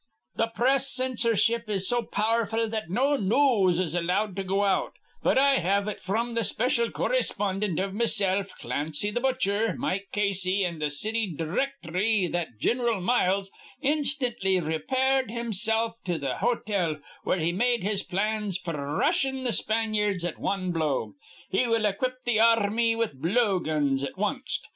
Th' press cinchorship is so pow'rful that no news is allowed to go out; but I have it fr'm th' specyal corryspondint iv Mesilf, Clancy th' Butcher, Mike Casey, an' th' City Direchtry that Gin'ral Miles instantly repaired himsilf to th' hotel, where he made his plans f'r cr rushin' th' Spanyards at wan blow. He will equip th' ar rmy with blow guns at wanst.